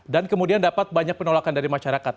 dan kemudian dapat banyak penolakan dari masyarakat